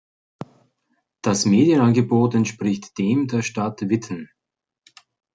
Das Medienangebot entspricht dem der Stadt Witten.